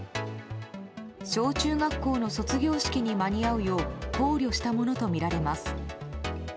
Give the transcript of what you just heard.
小中学校の卒業式に間に合うよう考慮したものとみられます。